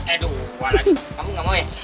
eh dua lagi kamu nggak mau ya